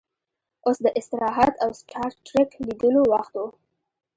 اوس د استراحت او سټار ټریک لیدلو وخت و